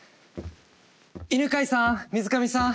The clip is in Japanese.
犬飼さん水上さん。